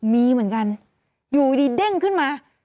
มีเหมือนกันอยู่ดีเด้งขึ้นมา